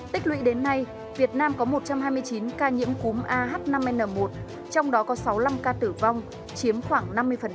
tích lụy đến nay việt nam có một trăm hai mươi chín ca nhiễm cúng a h năm n một trong đó có sáu mươi năm ca tử vong chiếm khoảng năm mươi